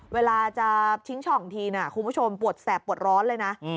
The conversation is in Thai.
เวลาจะทิ้งช่องทีนะคุณผู้ชมปวดแสบปวดร้อนเลยนะ